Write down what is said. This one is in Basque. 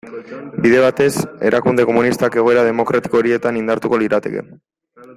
Bide batez, erakunde komunistak egoera demokratiko horietan indartuko lirateke.